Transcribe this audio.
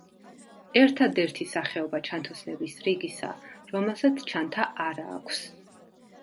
ერთადერთი სახეობა ჩანთოსნების რიგისა, რომელსაც ჩანთა არა აქვს.